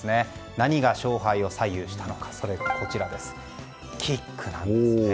何が勝敗を左右したのかはキックなんですね。